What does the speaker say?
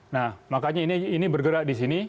nah makanya ini bergerak di sini